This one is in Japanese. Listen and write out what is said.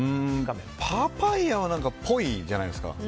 パパイヤはそれっぽいじゃないですか。